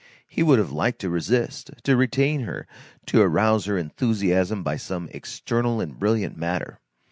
He would have liked to resist, to retain her, to arouse her enthusiasm by some external and brilliant matter.